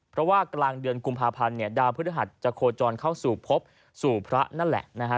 เพราะว่ากลางเดือนกุมภาพันธ์เนี่ยดาวพฤหัสจะโคจรเข้าสู่พบสู่พระนั่นแหละนะฮะ